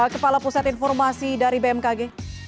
kepala pusat informasi dari bmkg